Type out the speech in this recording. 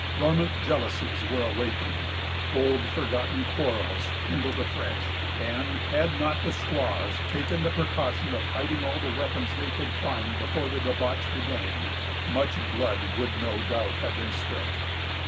Dormant jealousies were awakened, old forgotten quarrels kindled afresh, and, had not the squaws taken the precaution of hiding all the weapons they could find before the debauch began, much blood would, no doubt, have been spilt.